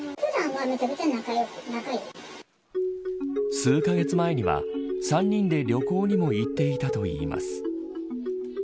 数カ月前には３人で旅行にも行っていたといいます。